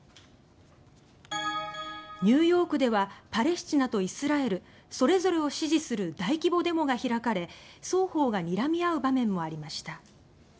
ニューヨークではパレスチナとイスラエルそれぞれを支持する大規模デモが開かれ双方がにらみ合う場面もありました。